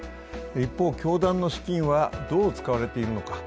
一方、教団の資金はどう使われているのか。